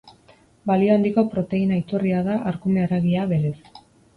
Balio handiko proteina iturria da arkume haragia, berez.